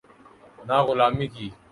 نہ غلامی کی۔